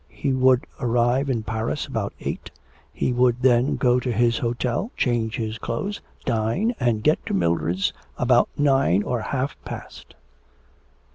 ... He would arrive in Paris about eight.... He would then go to his hotel, change his clothes, dine, and get to Mildred's about nine or half past.